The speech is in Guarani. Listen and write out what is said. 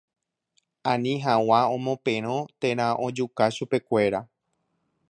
Ani hag̃ua omoperõ térã ojuka chupekuéra